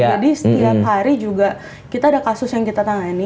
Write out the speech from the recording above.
jadi setiap hari juga kita ada kasus yang kita tangani